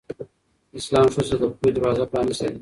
اسلام ښځو ته د پوهې دروازه پرانستې ده.